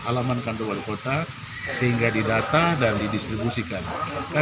alamankan di kota sehingga didata dan didistribusikan